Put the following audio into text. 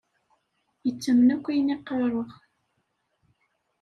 Yettamen akk ayen i qqareɣ.